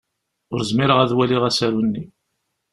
Ur zmireɣ ad waliɣ asaru-nni.